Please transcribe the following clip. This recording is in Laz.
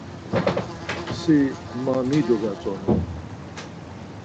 Si ma mi dogatzonu?